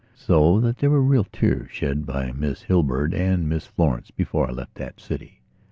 So that there were real tears shed by both Miss Hurlbird and Miss Florence before I left that city.